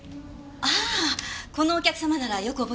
ああこのお客様ならよく覚えてます。